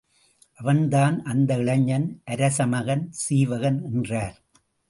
அவன்தான் அந்த இளைஞன், அரச மகன் சீவகன் என்றார்.